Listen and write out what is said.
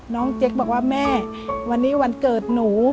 เจ๊กบอกว่าแม่วันนี้วันเกิดหนู